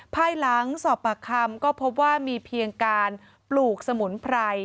ภายหลังสอบปากคำก็พบว่ามีเพียงการปลูกสมุนไพร